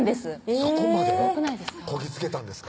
そこまでこぎつけたんですか？